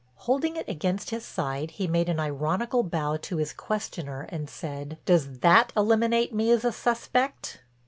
Holding it against his side he made an ironical bow to his questioner said, "Does that eliminate me as a suspect?"